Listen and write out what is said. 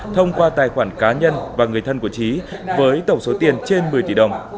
thông qua tài khoản cá nhân và người thân của trí với tổng số tiền trên một mươi tỷ đồng